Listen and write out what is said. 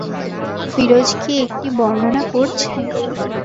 ফিরোজ কি একটি বর্ণনা করছে?